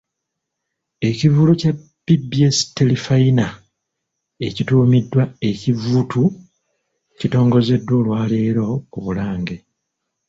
Ekivvulu kya BBS Terefayina ekituumiddwa "Ekivuutu" kitongozeddwa olwaleero ku Bulange.